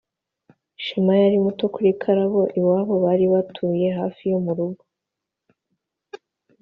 shema yari muto kuri karabo. iwabo bari baturiye hafi yo mu rugo